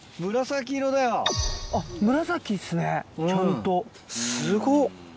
紫っすねちゃんとすごっ。